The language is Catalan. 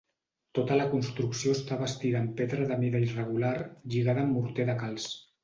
Tota la construcció està bastida amb pedra de mida irregular lligada amb morter de calç.